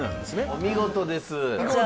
お見事です！